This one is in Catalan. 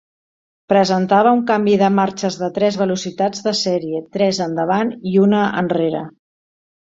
Presentava un canvi de marxes de tres velocitats de sèrie: tres endavant i una enrere.